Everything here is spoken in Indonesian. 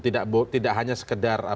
tidak hanya sekedar